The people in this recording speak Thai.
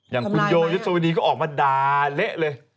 อย่างคุณโยยศวดีก็ออกมาด่าเละเลย